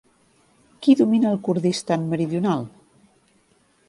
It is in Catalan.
Qui domina el Kurdistan Meridional?